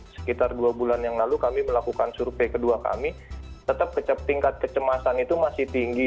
sekitar dua bulan yang lalu kami melakukan survei kedua kami tetap tingkat kecemasan itu masih tinggi